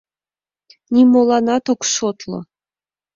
Нимоланат ок шотло...